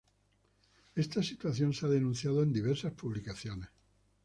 Esta situación se ha denunciado en diversas publicaciones.